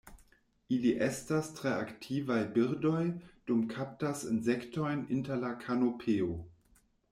Ili estas tre aktivaj birdoj dum kaptas insektojn inter la kanopeo.